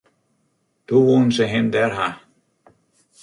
Doe woenen se him dêr ha.